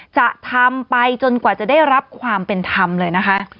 จะทำไปจนกว่าจะได้รับความเป็นธรรมเลยนะคะ